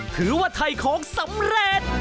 ถือว่าถ่ายของสำเร็จ